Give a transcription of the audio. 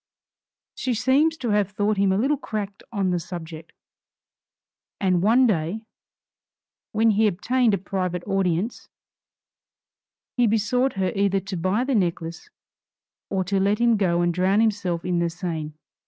She seems to have thought him a little cracked on the subject; and one day, when he obtained a private audience, he besought her either to buy the necklace or to let him go and drown himself in the Seine.